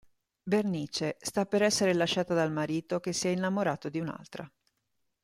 Bernice sta per essere lasciata dal marito che si è innamorato di un'altra.